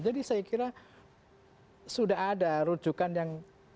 jadi saya kira sudah ada rujukan yang